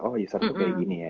oh user tuh kayak gini ya